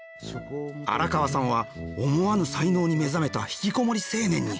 荒川さんは思わぬ才能に目覚めた引きこもり青年に！